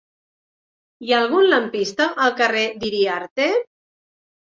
Hi ha algun lampista al carrer d'Iriarte?